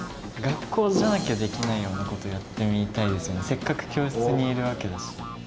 せっかく教室にいるわけだし。